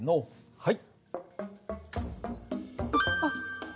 はい。